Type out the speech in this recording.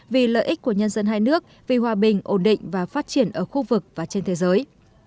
vì lợi ích của nhân dân hai nước vì hòa bình ổn định và phát triển ở khu vực và trên thế giới